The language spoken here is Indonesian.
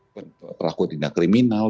berlaku tindak kriminal